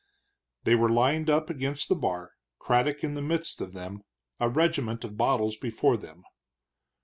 They were lined up against the bar, Craddock in the midst of them, a regiment of bottles before them.